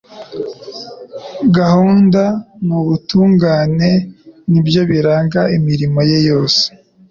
Gahunda n'ubutungane ni byo biranga imirimo ye yose.